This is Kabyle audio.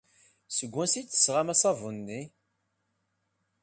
Seg wansi ay d-tesɣam aṣabun-nni?